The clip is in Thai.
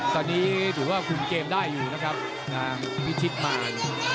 ตอนนี้ถือว่าคุมเกมได้อยู่นะครับทางวิชิตมาร